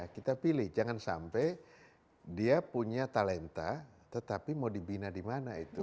kita pilih jangan sampai dia punya talenta tetapi mau dibina di mana itu